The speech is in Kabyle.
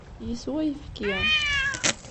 Yeswa ayefki.